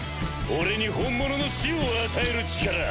俺に本物の死を与える力。